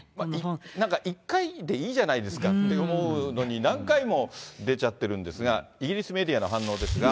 なんか一回でいいじゃないですかって思うのに、何回も出ちゃってるんですが、イギリスメディアの反応ですが。